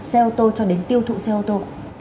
xe ô tô cho đến tiêu thụ xe ô tô